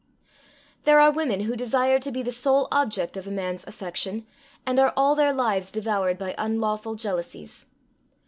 There are women who desire to be the sole object of a man's affection, and are all their lives devoured by unlawful jealousies.